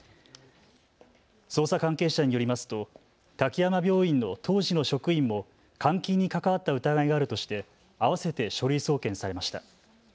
捜査関係者によりますと滝山病院の当時の職員も監禁に関わった疑いがあるとしてあわせて書類送検されました。